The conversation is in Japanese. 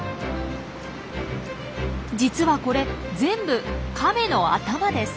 実はこれ全部カメの頭です。